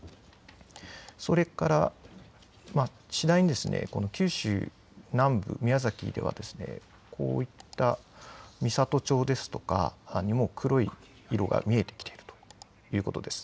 それから次第に九州南部、宮崎では美郷町にも黒い色が見えてきているということです。